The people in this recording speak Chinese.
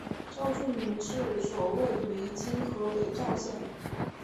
赵郡治所位于今河北赵县。